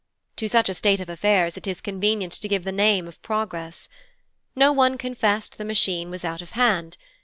To such a state of affairs it is convenient to give the name of progress. No one confessed the Machine was out of hand.